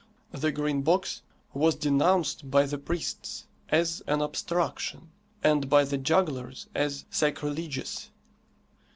The Green Box was denounced by the priests as an obstruction, and by the jugglers as sacrilegious.